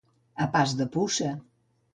A pas de puça.